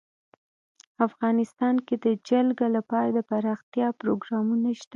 افغانستان کې د جلګه لپاره دپرمختیا پروګرامونه شته.